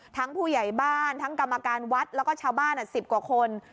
ผู้ใหญ่บ้านทั้งกรรมการวัดแล้วก็ชาวบ้าน๑๐กว่าคน